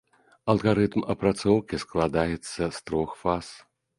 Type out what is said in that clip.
Алгарытм апрацоўкі складаецца з трох фаз.